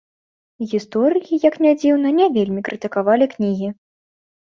Гісторыкі, як не дзіўна, не вельмі крытыкавалі кнігі.